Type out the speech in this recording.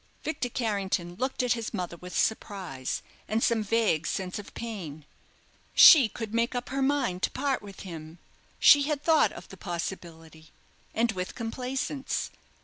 Victor Carrington looked at his mother with surprise, and some vague sense of pain. She could make up her mind to part with him she had thought of the possibility, and with complacence.